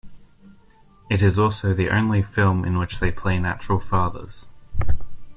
It is also the only film in which they play natural fathers.